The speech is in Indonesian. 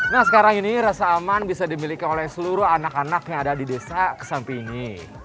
nah sekarang ini rasa aman bisa dimiliki oleh seluruh anak anak yang ada di desa kesampingi